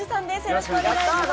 よろしくお願いします